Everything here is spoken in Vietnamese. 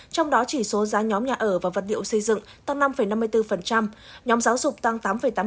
trong đó chỉ số giá nhóm nhà ở và vật liệu xây dựng tăng năm năm mươi bốn nhóm giáo dục tăng tám tám mươi bốn